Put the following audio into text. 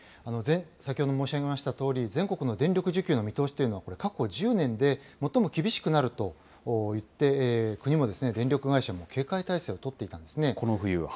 先ほど申し上げましたとおり、全国の電力需給の見通しというのは、これ、過去１０年で最も厳しくなるといって、国も電力会社も警戒態勢を取っていたんですね。